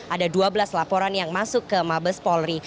ada dua belas laporan yang masuk ke mabespori